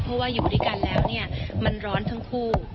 เพราะว่าอยู่ด้วยกันแล้วเนี่ยมันร้อนทั้งคู่